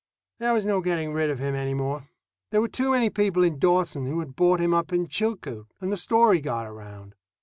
There was no getting rid of him any more. There were too many people in Dawson who had bought him up on Chilcoot, and the story got around.